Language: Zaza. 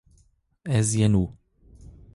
Ez yenu